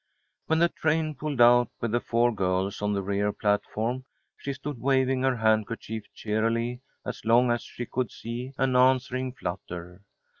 When the train pulled out, with the four girls on the rear platform, she stood waving her handkerchief cheerily as long as she could see an answering flutter.